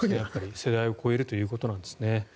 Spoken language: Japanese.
世代を超えるということなんですね。